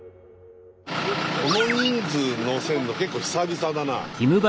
この人数乗せんの結構久々だな。